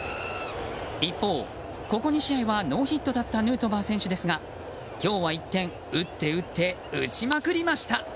一方、ここ２試合はノーヒットだったヌートバー選手ですが今日は一転、打って打って打ちまくりました。